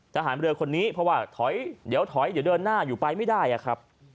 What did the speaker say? ทหารเรือคนนี้เพราะว่าถอยเดี๋ยวถอยเดี๋ยวเดินหน้าอยู่ไปไม่ได้อะครับ